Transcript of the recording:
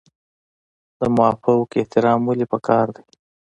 د مافوق احترام ولې پکار دی؟